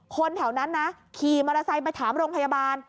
คนแถวนั้นนะขี่มอเตอร์ไซค์ไปถามโรงพยาบาล